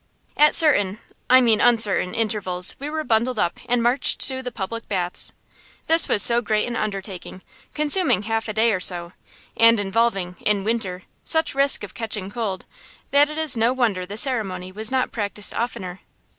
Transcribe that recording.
At certain I mean uncertain intervals we were bundled up and marched to the public baths. This was so great an undertaking, consuming half a day or so, and involving, in winter, such risk of catching cold, that it is no wonder the ceremony was not practised oftener.